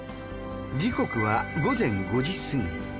時刻は午前５時すぎ。